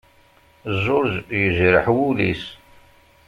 George yejreḥ wul-is.